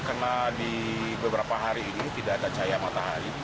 karena di beberapa hari ini tidak ada cahaya matahari